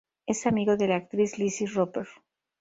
Es amigo de la actriz Lizzie Roper.